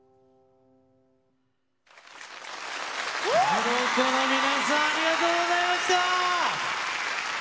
ＫＵＲＯＫＯの皆さん、ありがとうございました。